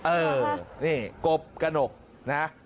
เออนี่กบกระหนกนะ